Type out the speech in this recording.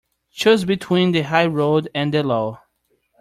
Choose between the high road and the low.